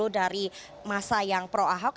empat puluh dari masa yang pro ahok